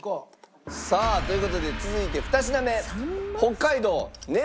さあという事で続いて２品目。